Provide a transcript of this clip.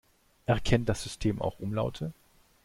Erkennt das System auch Umlaute?